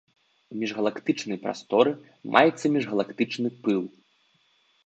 У міжгалактычнай прасторы маецца міжгалактычны пыл.